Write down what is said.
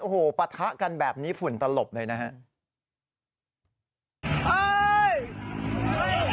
โอ้โหปะทะกันแบบนี้ฝุ่นตลบเลยนะครับ